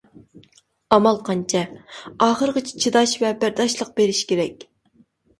ئامال قانچە؟ ئاخىرىغىچە چىداش ۋە بەرداشلىق بېرىش كېرەك.